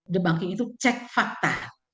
debanking itu cek fakta